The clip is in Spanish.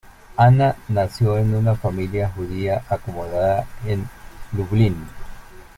Anna nació en una familia judía acomodada en Lublin.